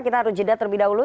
kita harus jeda terlebih dahulu